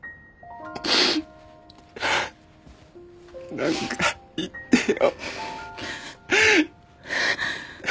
何か言ってよ。